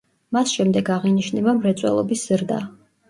მას შემდეგ აღინიშნება მრეწველობის ზრდა.